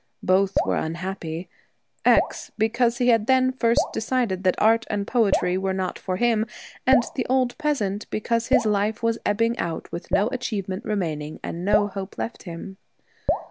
Both were unhappy : X because he had then first decided that art and poetry were not for him, and the old peasant because his life was ebbing out with no achievement remaining and no hope left him.